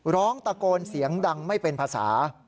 ร้องตะโกนเสียงดังไม่เป็นภาษา